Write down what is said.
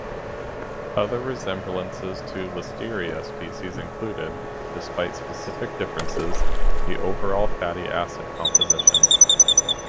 Other resemblances to "Listeria" species included (despite specific differences) the overall fatty acid composition.